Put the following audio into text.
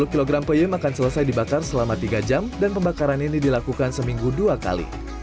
dua puluh kg peyem akan selesai dibakar selama tiga jam dan pembakaran ini dilakukan seminggu dua kali